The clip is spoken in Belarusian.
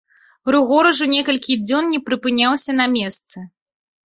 Рыгор ужо некалькі дзён не прыпыняўся на месцы.